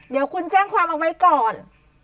เดี๋ยวคุณแจ้งความเอาไว้ก่อน